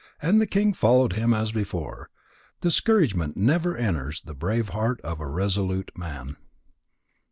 And the king followed him as before. Discouragement never enters the brave heart of a resolute man.